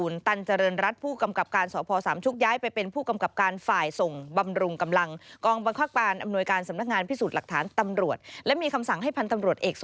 และมีคำสั่งให้พันธ์ตำรวจเอก